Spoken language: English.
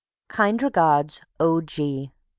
Kind regards. O. G.